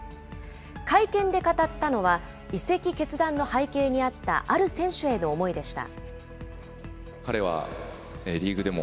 会見で語ったのは、移籍決断の背景にあったある選手への思いでした。